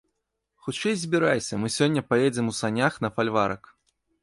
Хутчэй збірайся, мы сёння паедзем у санях на фальварак.